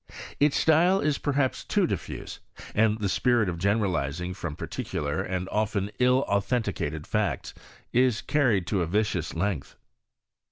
Its style is perr haps too diSuse, and the spirit of generalizing frois particular, and often ill authenticated facts, is car ried to a vicious length.